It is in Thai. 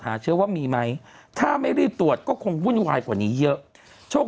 หาเชื้อว่ามีไหมถ้าไม่รีบตรวจก็คงวุ่นวายกว่านี้เยอะโชค